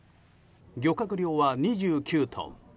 漁獲量は２９トン。